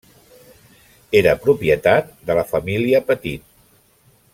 Era propietat de la família Petit.